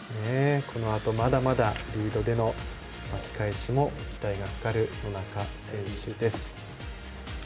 このあと、まだまだリードでの巻き返しも期待がかかる野中選手です。